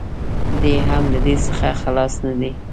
دی هم له دې څخه خلاص نه دی.